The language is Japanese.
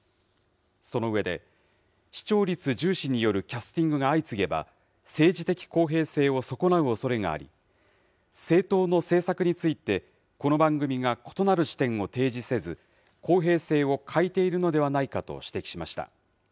その上で、視聴率重視によるキャスティングが相次げば、政治的公平性を損なうおそれがあり、政党の政策について、この番組が異なる視点を提示せず、公平性を欠いているのではないかと指摘しました。